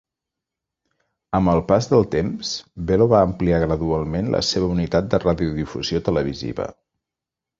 Amb el pas del temps, Belo va ampliar gradualment la seva unitat de radiodifusió televisiva.